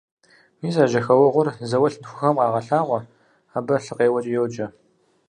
Мис а жьэхэуэгъуэр зэуэ лъынтхуэхэм къагъэлъагъуэ, абы лъыкъеуэкӀэ йоджэ.